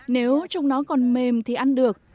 nếu chúng nó còn mềm thì ăn được